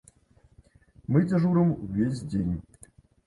Мы дзяжурым увесь дзень.